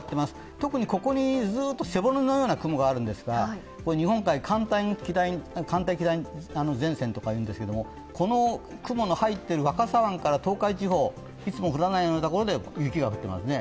特に、ここにずっと背骨のような雲があるんですが、日本海側、寒帯気団前線とかいうんですけどこの雲の入っている若狭湾から東海地方、いつも降らない所で雪が降ってますね。